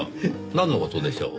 なんの事でしょう？